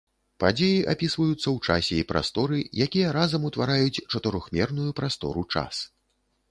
Падзеі апісваюцца ў часе і прасторы, якія разам утвараюць чатырохмерную прастору-час.